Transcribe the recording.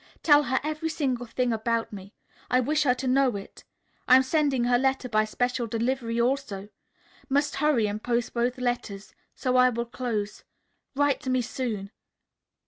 Tell her every single thing about me. I wish her to know it. I am sending her letter by special delivery also. Must hurry and post both letters, so I will close. Write to me soon.